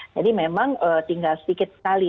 jadi memang tinggal sedikit sekali